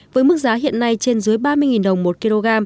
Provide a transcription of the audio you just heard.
với mức giá hiện nay trên dưới ba mươi đồng một kg